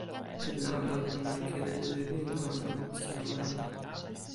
kin la, ona li pana e kili lili ni tawa tomo pi sona majuna.